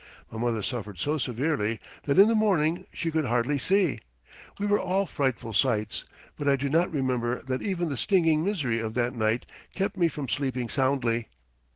My mother suffered so severely that in the morning she could hardly see. We were all frightful sights, but I do not remember that even the stinging misery of that night kept me from sleeping soundly.